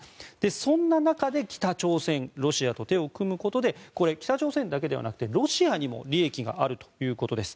そんな中で北朝鮮ロシアと手を組むことで北朝鮮だけではなくてロシアにも利益があるということです。